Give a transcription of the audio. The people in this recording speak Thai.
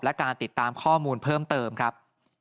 และการติดตามข้อมูลเพิ่มเติมครับ